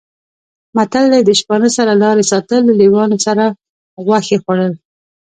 متل دی: د شپانه سره لارې ساتل، له لېوانو سره غوښې خوړل